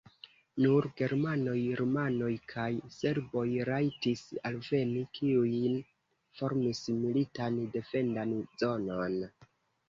Nur germanoj, rumanoj kaj serboj rajtis alveni, kiuj formis militan defendan zonon.